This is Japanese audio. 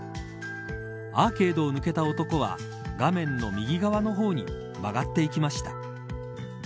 アーケードを抜けた男は画面の右側の方に曲がっていきました。